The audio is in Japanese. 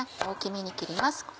大きめに切ります